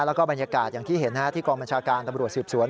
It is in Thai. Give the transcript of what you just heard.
แล้วก็บรรยากาศอย่างที่เห็นที่กองบัญชาการตำรวจสืบสวน